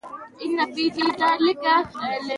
او حیران ورته دربار دی ښار او کلی